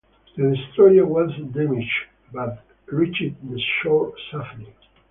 The destroyer was damaged but reached the shore safely.